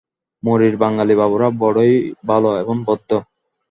মরীর বাঙালী বাবুরা বড়ই ভাল এবং ভদ্র।